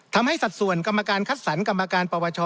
ทำให้สัดส่วนกรรมการคัดสรรค์กรรมการปปช